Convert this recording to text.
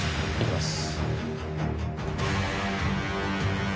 よし。